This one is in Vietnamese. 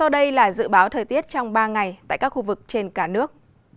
sau đây là dự báo thời tiết trong ba ngày tại các khu vực trên cả nước